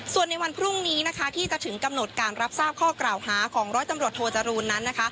ส่วนในวันพรุ่งนี้ที่จะถึงกำหนดการรับทราบข้อกล่าวหาของร้อยตำรวจโทจรูนนั้น